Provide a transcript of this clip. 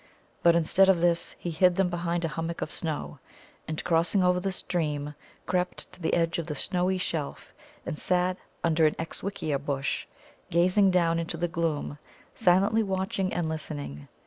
But, instead of this, he hid them behind a hummock of snow, and, crossing over the stream, crept to the edge of the snowy shelf, and sat under an Exxswixxia bush, gazing down into the gloom, silently watching and listening.